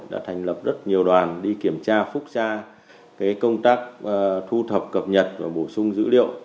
đã thành lập rất nhiều đoàn đi kiểm tra phúc tra công tác thu thập cập nhật và bổ sung dữ liệu